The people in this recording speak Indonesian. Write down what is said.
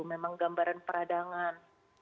memang gambaran peradangan